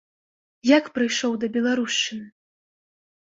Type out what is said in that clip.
Як прыйшоў да беларушчыны?